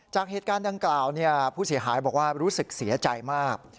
จากเหตุการณ์ดังกล่าวผู้เสียหายบอกว่ารู้สึกเสียใจมาก